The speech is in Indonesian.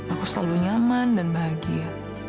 aku selalu nyaman dan bahagia